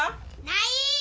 ない！